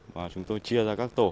và chúng tôi chia ra các tổ